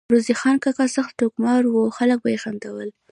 روزې خان کاکا سخت ټوکمار وو ، خلک به ئی خندول